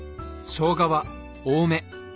しょうがは多め。